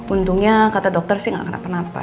untungnya kata dokter sih gak kenapa kenapa